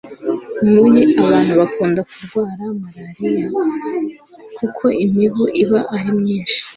muyi, abantu bakunda kurwara malariya kuko imibu iba ari myinshi